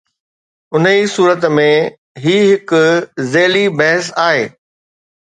انهي صورت ۾، هي هڪ ذيلي بحث آهي.